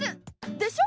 でしょ？